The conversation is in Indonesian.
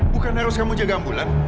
bukan harus kamu jaga ambulan